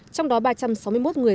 trong đó ba trăm sáu mươi một người